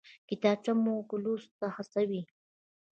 کتابچه موږ لوستو ته هڅوي